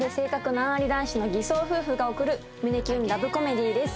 難あり男子の偽装夫婦が送る胸キュンラブコメディーです